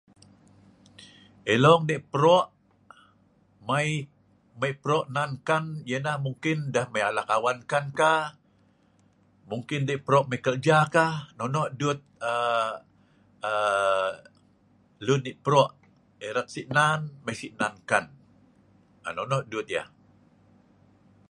Elong deh prok mai en kan. Ya nah mungkin awan en kan kah, MUNGKIN deh prok mai kerja ka, nonoh du ut arr erat Si nan en kan mai Si nan en kan. Nonoh duut yah.